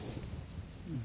うん。